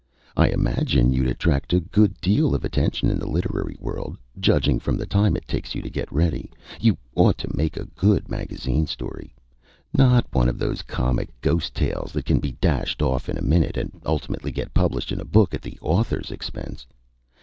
"I imagine you'd attract a good deal of attention in the literary world. Judging from the time it takes you to get ready, you ought to make a good magazine story not one of those comic ghost tales that can be dashed off in a minute, and ultimately get published in a book at the author's expense.